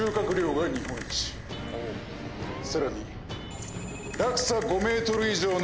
さらに。